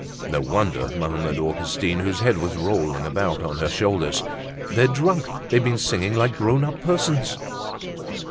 "No wonder!" murmured Augustine, whose head was rolling about on her shoulders, "they're drunk; they've been singing like grown up persons."